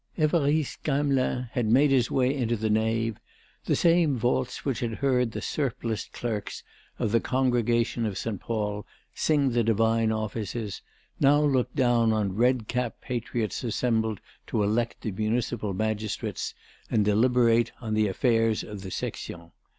Évariste Gamelin made his way into the nave; the same vaults which had heard the surpliced clerks of the Congregation of St. Paul sing the divine offices, now looked down on red capped patriots assembled to elect the Municipal magistrates and deliberate on the affairs of the Section.